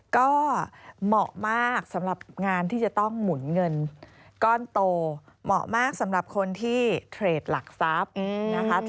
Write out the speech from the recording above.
ก็เหมาะมากสำหรับงานที่จะต้องหมุนเงินก้อนโตเหมาะมากสำหรับคนที่เทรดหลักทรัพย์นะคะ